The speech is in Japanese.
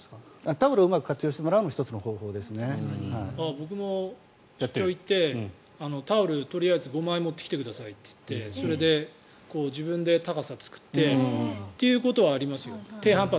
タオルをうまく活用してもらうのも僕も出張に行ってタオルをとりあえず５枚持ってきてくださいって言ってそれで自分で高さを作ってっていうことはありますよ。